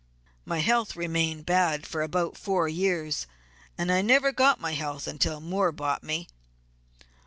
My health remained bad for about four years, and I never got my health until Moore bought me.